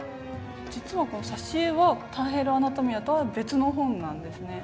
実はこの挿絵は「ターヘル・アナトミア」とは別の本なんですね。